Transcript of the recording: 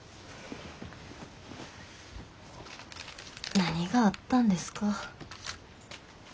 何があったんですか？